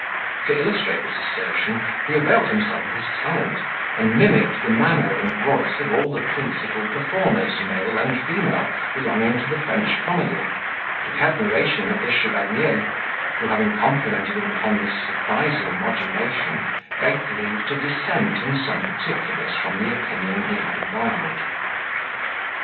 To illustrate this assertion, he availed himself of his talent, and mimicked the manner and voice of all the principal performers, male and female, belonging to the French comedy, to the admiration of the chevalier, who, having complimented him upon this surprising modulation, begged leave to dissent in some particulars from the opinion he had avowed.